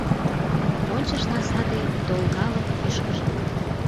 Ончышна саде «долгалык» ӱшкыжым.